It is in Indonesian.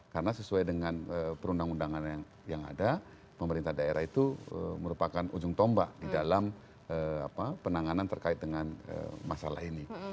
karena sesuai dengan perundang undangan yang ada pemerintah daerah itu merupakan ujung tombak di dalam penanganan terkait dengan masalah ini